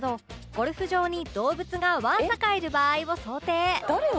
ゴルフ場に動物がわんさかいる場合を想定